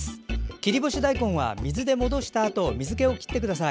切り干し大根は水で戻したあと水けを切ってください。